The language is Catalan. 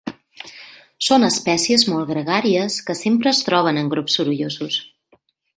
Són espècies molt gregàries que sempre es troben en grups sorollosos.